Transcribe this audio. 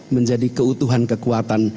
menjadi keutuhan kekuatan